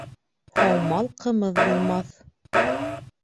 Һаумал ҡымыҙ булмаҫ